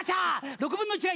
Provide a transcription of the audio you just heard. ６分の１だ。